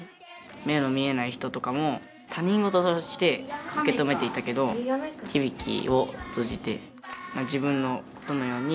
目の見えない人とかも他人事として受け止めていたけどひびきを通じて自分のことのように受け止めれるようになったし。